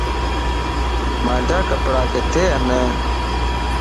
مانجا ڪپڙا ڪٿي ائين